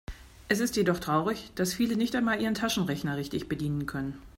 Es ist jedoch traurig, dass viele nicht einmal ihren Taschenrechner richtig bedienen können.